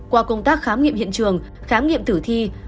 qua công tác khám nghiệm hiện trường khám nghiệm tử thi